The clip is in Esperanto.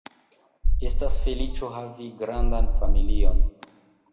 Estas feliĉo havi grandan familion.